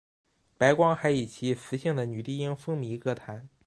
白光还以其磁性的女低音风靡歌坛。